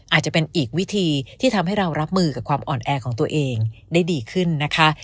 อาจจะเป็นอีกวิธีที่ทำให้เรารับมือกับความอ่อนแอของตัวเองได้ดีขึ้นนะคะ